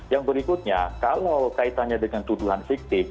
yang berikutnya kalau kaitannya dengan tuduhan fiktif